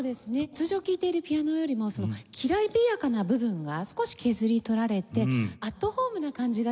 通常聴いているピアノよりもきらびやかな部分が少し削り取られてアットホームな感じがしましたね。